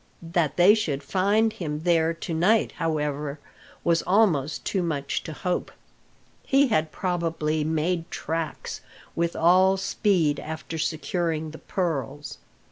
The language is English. That they should find him there to night, however, was almost too much to hope. He had probably "made tracks" with all speed after securing the pearls.